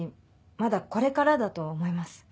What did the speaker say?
まだこれからだとは思います。